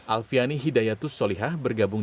alfiani hidayatus solihah bergabung